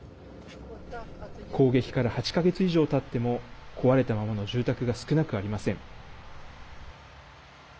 攻撃から８か月以上たっても壊れたままの住宅が少なくありません。